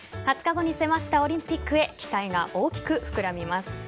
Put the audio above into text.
２０日後に迫ったオリンピックへ期待が大きく膨らみます。